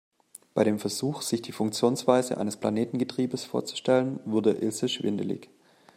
Bei dem Versuch, sich die Funktionsweise eines Planetengetriebes vorzustellen, wurde Ilse schwindelig.